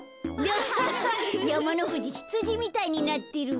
やまのふじひつじみたいになってる。